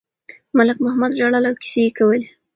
ملک محمد ژړل او کیسې یې کولې.